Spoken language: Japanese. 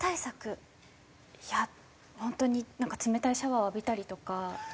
いや本当になんか冷たいシャワーを浴びたりとか。